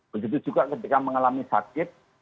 begitu juga ketika mengalami sakit